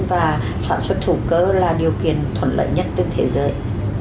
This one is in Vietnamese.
và sản xuất thủ cơ là điều kiện thuận lợi nhất trên thế giới